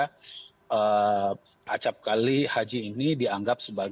sebagian besar orang juga berpikir black box